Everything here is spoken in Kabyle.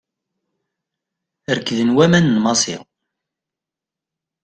Rekden waman n Massi.